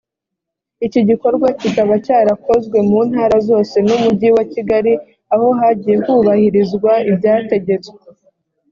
iki gikorwa kikaba cyarakozwe mu ntara zose n umujyi wa kigali aho hagiye hubahirizwa ibyategetswe